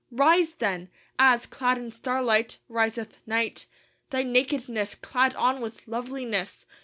"Rise then! as, clad in starlight, riseth night Thy nakedness clad on with loveliness!